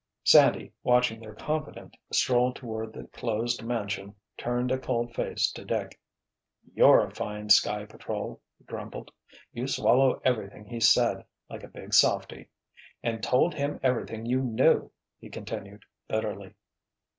Sandy, watching their confidant stroll toward the closed mansion, turned a cold face to Dick. "You're a fine Sky Patrol," he grumbled. "You swallowed everything he said, like a big softie! And told him everything you knew," he continued, bitterly.